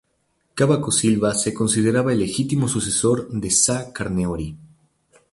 Cavaco Silva se consideraba el legítimo sucesor de Sá Carneiro.